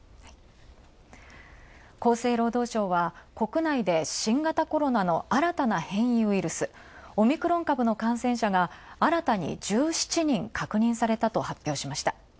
厚生労働省は、国内で新型コロナの新たな変異ウイルス、オミクロン株の感染者が新たに１７人確認されたと発表しました。